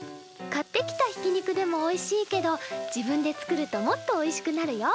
買ってきたひき肉でもおいしいけど自分で作るともっとおいしくなるよ。